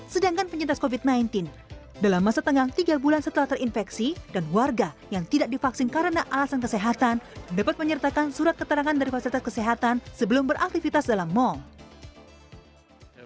sedangkan penyintas covid sembilan belas dalam masa tengah tiga bulan setelah terinfeksi dan warga yang tidak divaksin karena alasan kesehatan dapat menyertakan surat keterangan dari fasilitas kesehatan sebelum beraktivitas dalam mall